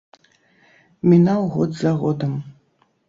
Мінаў год за годам.